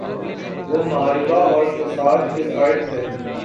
وہ محاربہ اور فساد فی الارض ہے۔